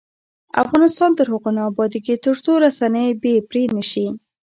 افغانستان تر هغو نه ابادیږي، ترڅو رسنۍ بې پرې نشي.